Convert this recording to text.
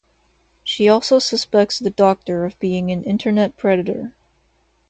She also suspects the Doctor of being an internet predator.